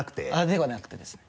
ではなくてですね。